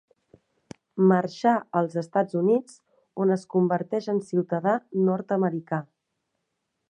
Marxà als Estats Units on es converteix en ciutadà nord-americà.